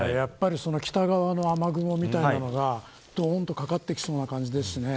北側の雨雲みたいなのがかかってきそうな感じですね。